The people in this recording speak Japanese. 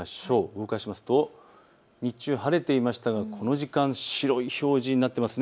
動かしますと日中、晴れていましたがこの時間、白い表示になっていますね。